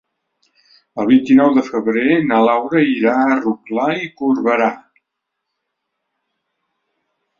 El vint-i-nou de febrer na Laura irà a Rotglà i Corberà.